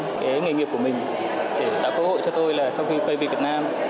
cái nghề nghiệp của mình để tạo cơ hội cho tôi là sau khi quay về việt nam